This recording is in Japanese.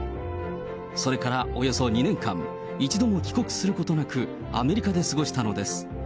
それからおよそ２年間、一度も帰国することなく、アメリカで過ごしたのです。